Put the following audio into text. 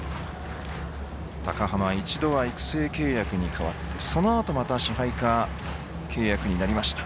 高濱は一度は育成契約に変わってそのあとまた支配下契約になりました。